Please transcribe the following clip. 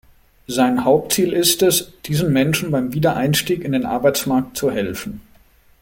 Sein Hauptziel ist es, diesen Menschen beim Wiedereinstieg in den Arbeitsmarkt zu helfen.